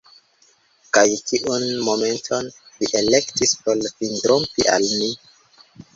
Kaj kiun momenton vi elektis por fidrompi al ni?